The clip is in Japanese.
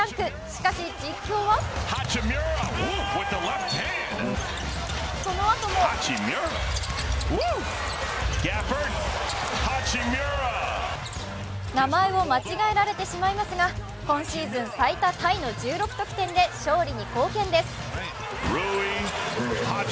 しかし、実況はそのあとも名前を間違えられてしまいますが、今シーズン最多タイの１６得点で勝利に貢献です。